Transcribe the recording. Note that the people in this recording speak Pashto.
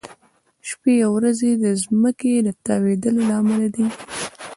شپې او ورځې د ځمکې د تاوېدو له امله دي.